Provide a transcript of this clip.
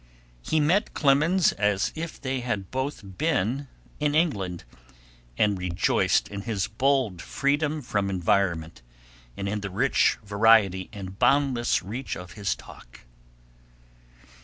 He met Clemens as if they had both been in England, and rejoiced in his bold freedom from environment, and in the rich variety and boundless reach of his talk.